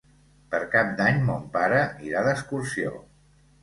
Per Cap d'Any mon pare irà d'excursió.